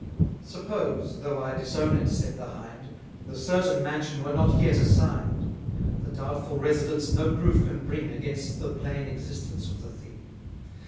Suppose (though I disown it), said the Hind, 70 The certain mansion were not yet assign'd; The doubtful residence no proof can bring Against the plain existence of the thing.